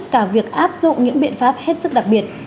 cả việc áp dụng những biện pháp hết sức đặc biệt